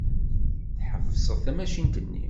Tḥebseḍ tamacint-nni.